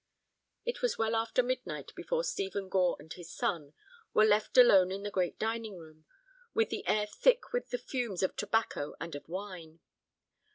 It was well after midnight before Stephen Gore and his son were left alone in the great dining room, with the air thick with the fumes of tobacco and of wine.